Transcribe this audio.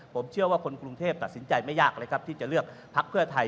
ผมเชื่อว่าคนกรุงเทพฯตัดสินใจไม่ยากเลยครับ